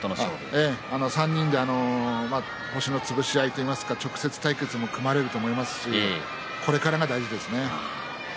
３人で星の潰し合いというか直接対決も組まれると思いますしこれからが大事ですね。